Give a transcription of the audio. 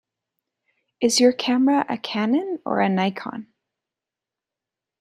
Is your camera a Canon or a Nikon?